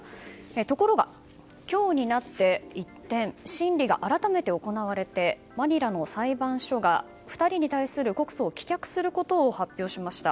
ところが、今日になって一転審理が改めて行われてマニラの裁判所が２人に対する告訴を棄却することを発表しました。